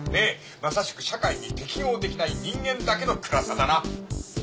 まさしく社会に適応できない人間だけの暗さだな。